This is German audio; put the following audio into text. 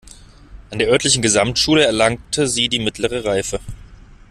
An der örtlichen Gesamtschule erlangte sie die mittlere Reife.